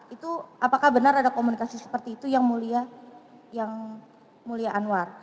itu apakah benar ada komunikasi seperti itu yang mulia yang mulia anwar